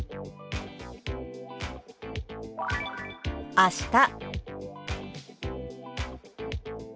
「あした」。